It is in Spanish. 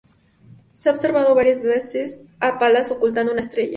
Se ha observado varias veces a Palas ocultando una estrella.